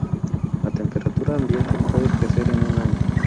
A temperatura ambiente, puede crecer en un año.